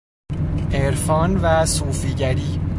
عرفان و صوفیگری